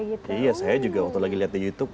iya saya juga waktu lagi lihat di youtube